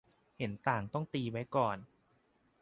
- เห็นต่างต้องตีไว้ก่อน